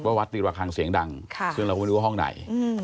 วัดตีระคังเสียงดังซึ่งเราก็ไม่รู้ว่าห้องไหน